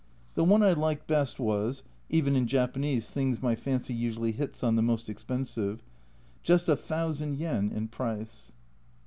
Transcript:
The one I liked best was (even in Japanese things my fancy usually hits on the most expensive) just a thousand yen in price